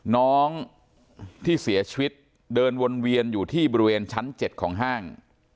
น้องที่เสียชีวิตเดินวนเวียนอยู่ที่บริเวณชั้น๗ของห้าง